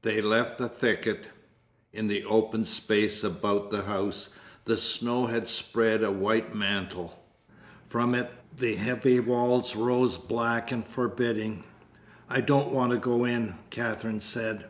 They left the thicket. In the open space about the house the snow had spread a white mantle. From it the heavy walls rose black and forbidding. "I don't want to go in," Katherine said.